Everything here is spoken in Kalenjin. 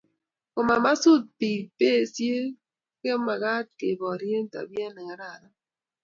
komamasut pek bisiek komakat keporie tapiet nekararan